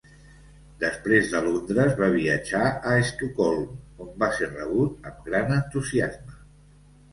Després de Londres va viatjar a Estocolm on va ser rebut amb gran entusiasme.